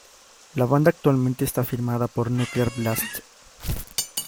La banda actualmente está firmada por Nuclear Blast.